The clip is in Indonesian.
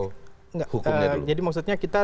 hukumnya dulu jadi maksudnya kita